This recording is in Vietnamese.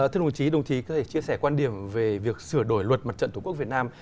thưa đồng chí đồng chí có thể chia sẻ quan điểm về việc sửa đổi luật mặt trận tổ quốc việt nam